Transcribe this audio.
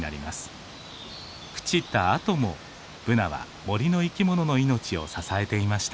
朽ちたあともブナは森の生き物の命を支えていました。